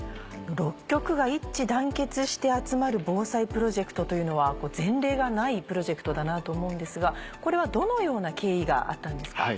６局が一致団結して集まる防災プロジェクトというのは前例がないプロジェクトだなと思うんですがこれはどのような経緯があったんですか？